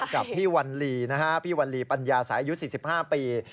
กับพี่วันลีนะฮะพี่วัลลีปัญญาสายอายุ๔๕ปี